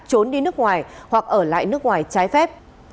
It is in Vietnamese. trốn đi nước ngoài hoặc ở lại nước ngoài trái phép